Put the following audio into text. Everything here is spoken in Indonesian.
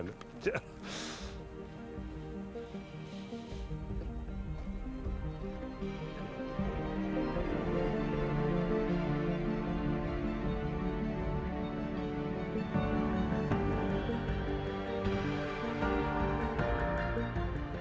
alam kutuban raya pasu pasukan